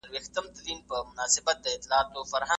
دا د رڼا غږ و چې ملا یې واورېد.